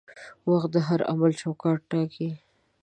وخت د هر عمل چوکاټ ټاکي.